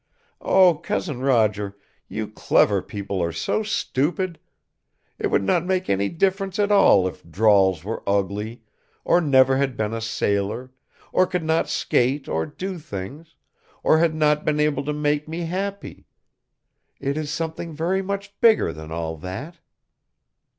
"Oh, Cousin Roger, you clever people are so stupid! It would not make any difference at all if Drawls were ugly, or never had been a sailor, or could not skate or do things, or had not been able to make me happy. It is something very much bigger than all that!"